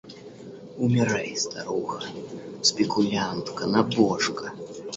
Умирай, старуха, спекулянтка, набожка.